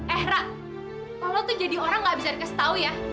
eh rang kalo lo tuh jadi orang gak bisa dikasih tau ya